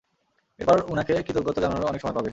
এরপরে উনাকে কৃতজ্ঞতা জানানোর অনেক সময় পাবে।